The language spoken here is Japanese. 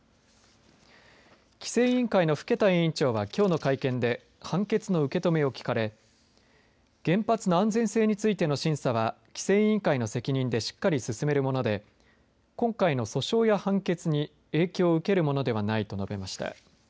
規制委員会の更田委員長はきょうの会見で判決の受け止めを聞かれ原発の安全性についての審査は規制委員会の責任でしっかり進めるもので今回の訴訟や判決に影響を受けるものではないと述べました。